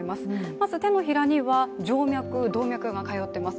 まず、手のひらには静脈、動脈が通っています。